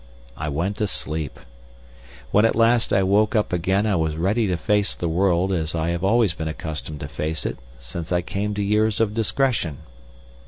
I went to sleep. When at last I woke up again I was ready to face the world as I have always been accustomed to face it since I came to years of discretion.